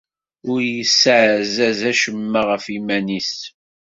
Ur yessaɛzez acemma ɣef yiman-nnes.